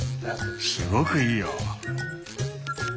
すごくいいよ。